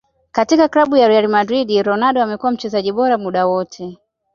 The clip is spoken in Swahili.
Katika club ya Real madrid Ronaldo amekuwa mchezaji bora muda wote